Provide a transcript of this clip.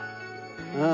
うん。